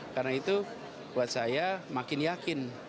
karena itu buat saya makin yakin